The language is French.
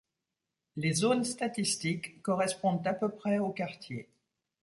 Les zones statistiques correspondent à peu près aux quartiers.